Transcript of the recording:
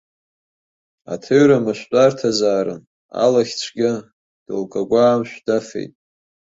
Аҭыҩра мышәтәарҭазаарын, алахьцәгьа, дылкагәа амшә дафеит.